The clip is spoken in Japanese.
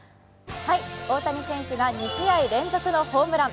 大谷選手が２試合連続のホームラン。